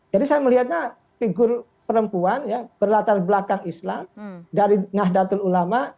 saya melihatnya figur perempuan ya berlatar belakang islam dari nahdlatul ulama